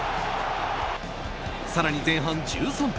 更に前半１３分。